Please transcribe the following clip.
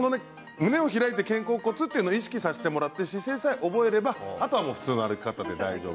胸を開いて肩甲骨を意識して姿勢さえ覚えればあとは普通の歩き方で大丈夫。